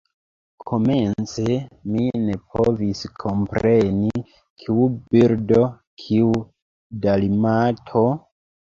Komence mi ne povis kompreni, kiu birdo, kiu Dalmato?